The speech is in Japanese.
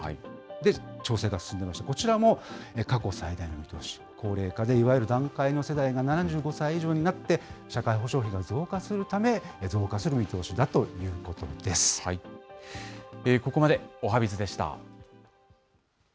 で、調整が進んでいまして、こちらも過去最大の見通し、高齢化でいわゆる団塊の世代が７５歳以上になって、社会保障費が増加するため、ここまでおはＢｉｚでした。